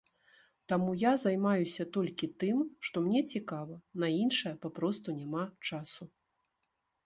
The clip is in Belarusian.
Таму я займаюся толькі тым, што мне цікава, на іншае папросту няма часу.